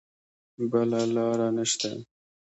بله لاره نه شته.